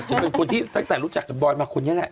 เป็นคนที่ตั้งแต่รู้จักกับบอยมาคนนี้แหละ